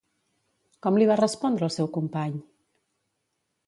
Com li va respondre el seu company?